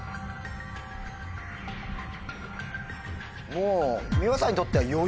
もう。